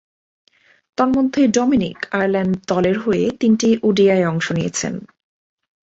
তন্মধ্যে Dominic Ireland দলের হয়ে তিনটি ওডিআইয়ে অংশ নিয়েছেন।